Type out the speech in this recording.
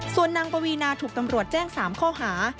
ส่วนนางปวีนาถูกตำรวจแจ้ง๓ข้อหา